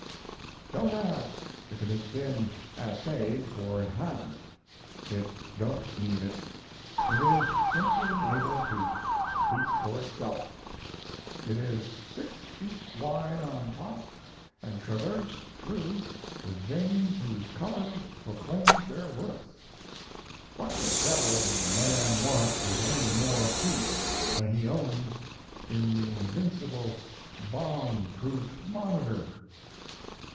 Don't ask if it has been assayed, for it hasn't. It don't need it. It is simply able to speak for itself. It is six feet wide on top, and traversed through with veins whose color proclaims their worth. What the devil does a man want with any more feet when he owns in the invincible bomb proof "Monitor"?